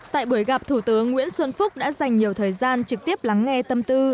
tại buổi gặp thủ tướng nguyễn xuân phúc đã dành nhiều thời gian trực tiếp lắng nghe tâm tư